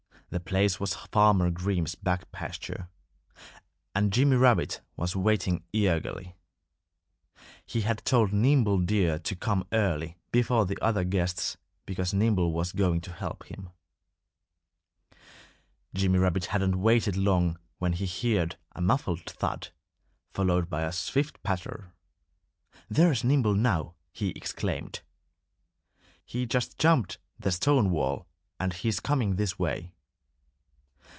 The place was Farmer Green's back pasture. And Jimmy Rabbit was waiting eagerly. He had told Nimble Deer to come early, before the other guests, because Nimble was going to help him. Jimmy Rabbit hadn't waited long when he heard a muffled thud, followed by a swift patter. "There's Nimble now!" he exclaimed. "He just jumped the stone wall and he's coming this way."